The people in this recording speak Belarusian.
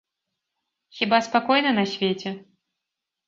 Хіба спакойна на свеце?